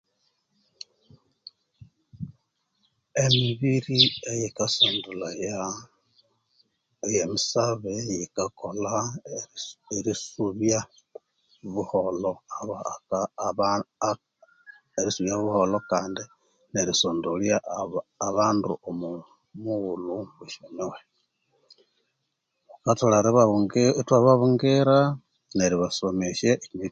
Emibiri eyikasondolhaya eye misabe yikakolha erisubya buholho abaa abandu kandi nerisondolya abaa abandu omu mughulhu wesyonyuhe bathole ibabungii ithwababungira neribasomesya